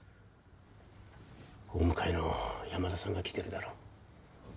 お向かいの山田さんが来てるだろ。